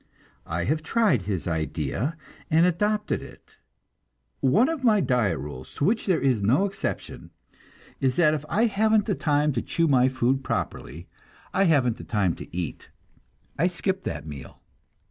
I have tried his idea and adopted it. One of my diet rules, to which there is no exception, is that if I haven't the time to chew my food properly, I haven't the time to eat; I skip that meal.